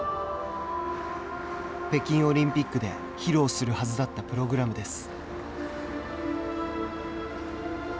北京オリンピックで披露するはずだったプログラムです。